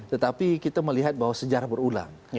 tetapi kita melihat bahwa sejarah berulang